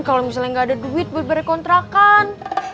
kalau misalnya nggak ada duit buat bayar kontrakan